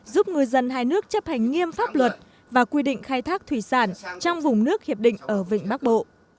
giúp ngư dân hai nước chấp hành nghiêm pháp luật và quy định khai thác thủy sản trong vùng nước hiệp định ở vịnh bắc bộ